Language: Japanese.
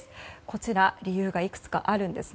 こちら理由がいくつかあるんです。